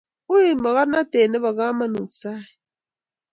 Uu mokornatet nebo kamanut sait